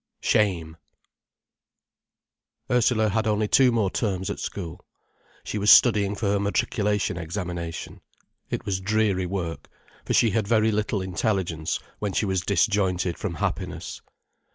SHAME Ursula had only two more terms at school. She was studying for her matriculation examination. It was dreary work, for she had very little intelligence when she was disjointed from happiness.